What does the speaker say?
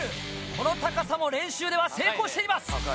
この高さも練習では成功しています！